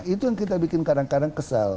itu yang kita bikin kadang kadang kesal